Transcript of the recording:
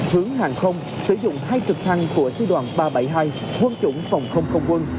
hướng hàng không sử dụng hai trực thăng của sư đoàn ba trăm bảy mươi hai quân chủng phòng không không quân